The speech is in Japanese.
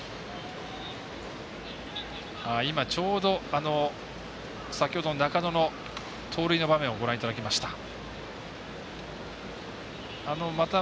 ちょうど、先ほどの中野の盗塁の場面をご覧いただきました。